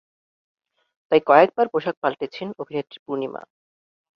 তাই কয়েকবার পোশাক পাল্টেছেন অভিনেত্রী পূর্ণিমা।